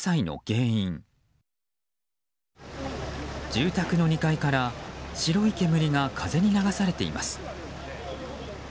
住宅の２階から白い煙が風に流されています。